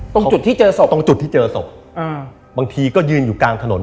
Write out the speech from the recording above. ตรงจุดที่เจอศพตรงจุดที่เจอศพอ่าบางทีก็ยืนอยู่กลางถนน